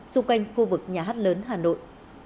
xung quanh khu vực nhà hát lớn hà nội